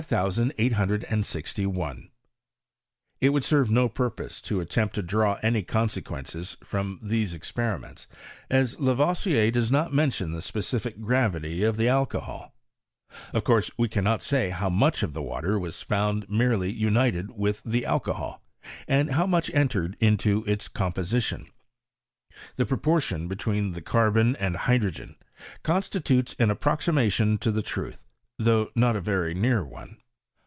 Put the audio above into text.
.. 5861 It would serve no purpose to attempt to draw any consequences from these experiments; as Lavoisier does not mention the specific gravity of the alcohol, of course we cannot say how much of the water found was merely united with tbe alcohol, and how much entered into its composition. The proportion between the carbon and hydrogen, constitutes an approximation to the truth, tiiough not a very near one.